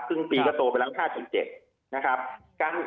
ซึ่งปีก็โตไปแล้ว๕๗นะครับ